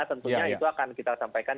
tentunya itu akan kita sampaikan